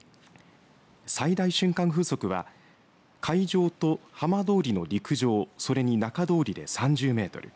最大瞬間風速は海上と浜通りの陸上それに中通りで３０メートル。